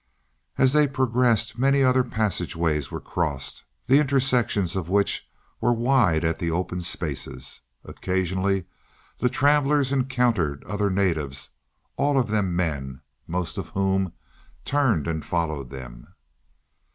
As they progressed, many other passageways were crossed, the intersections of which were wide at the open spaces. Occasionally the travelers encountered other natives, all of them men, most of whom turned and followed them.